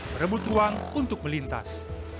berebut ruang untuk melintas